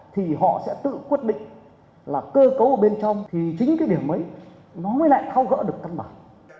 thì họ sẽ tự quyết định là cơ cấu ở bên trong thì chính cái điểm ấy nó mới lại thao gỡ được căn bản